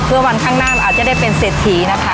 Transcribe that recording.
เพื่อวันข้างหน้าเราอาจจะได้เป็นเศรษฐีนะคะ